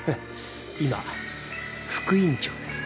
今副院長です。